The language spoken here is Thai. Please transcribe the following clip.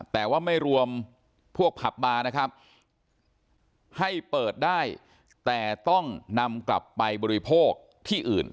แต่ว่าไม่รวมพวกผับบาร์นะครับให้เปิดได้แต่ต้องนำกลับไปบริโภคที่อื่น